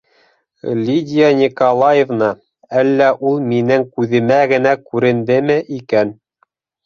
Лидия Николаевна, әллә ул минең күҙемә генә күрендеме икән?